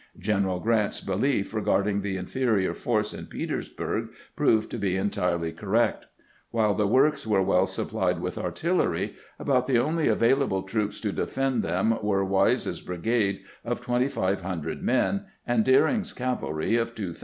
Greneral Grant's belief re garding the inferior force in Petersburg proved to be entirely correct. While the works were well supplied with artUlery, about the only available troops to defend them were Wise's brigade of 2500 men, and Deering's cavalry of 2000.